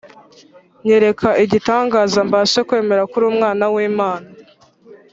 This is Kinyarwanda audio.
nyereka igitangaza mbashe kwemera ko uri Umwana w’Imana